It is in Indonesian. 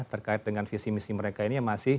terkait dengan visi misi mereka ini yang masih